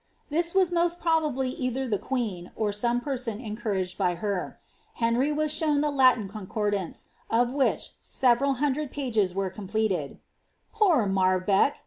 This was most probably i queen, or some person encouraged by her. Henry was si Latin Concordance, of which seveml hundred pages were coi " Poor Marl)eck